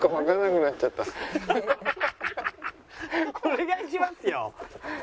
お願いしますよ。